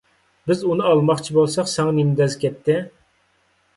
بىز ئۇنى ئالماقچى بولساق ساڭا نېمە دەز كەتتى؟